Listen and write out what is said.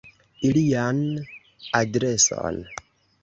Ilian adreson.